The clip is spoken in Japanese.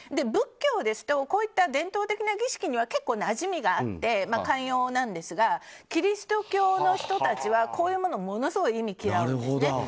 仏教ですとこういった伝統的な儀式には結構なじみがあって寛容なんですがキリスト教の人たちはこういうものをものすごい忌み嫌うんです。